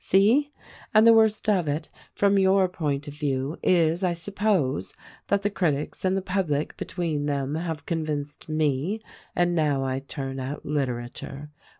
See? And the worst of it, from your point of 246 THE RECORDING ANGEL view," is, I suppose, that the critics and the public, between them have convinced me — and now I turn out literature.